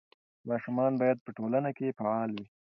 ماشومان باید په ټولنه کې فعال وي.